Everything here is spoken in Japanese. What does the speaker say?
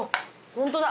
ホントだ！